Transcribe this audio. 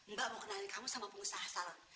mbak mau kenalin kamu sama pengusaha salam